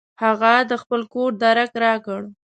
هغه د خپل کور درک راکړ.